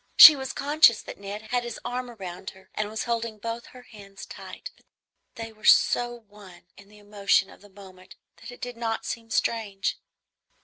She was conscious that Ned had his arm round her and was holding both her hands tight; but they were so one in the emotion of the moment that it did not seem strange.